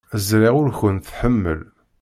Ẓriɣ ur kent-tḥemmel.